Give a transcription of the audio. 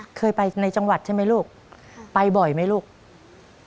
น้องป๋องเลือกเรื่องระยะทางให้พี่เอื้อหนุนขึ้นมาต่อชีวิตเป็นคนต่อชีวิต